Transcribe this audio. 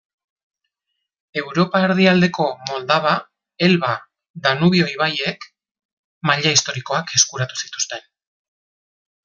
Europa erdialdeko Moldava, Elba, Danubio ibaiek maila historikoak eskuratu zituzten.